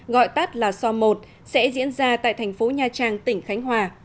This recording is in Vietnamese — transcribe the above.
gọi tắt là so một sẽ diễn ra tại thành phố nha trang tỉnh khánh hòa